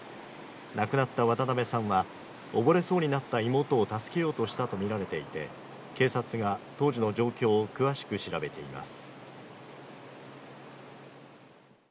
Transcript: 亡くなった渡邉さんは溺れそうになった妹を助けようとしたと見られていて警察が当時の状況を詳しく調べています。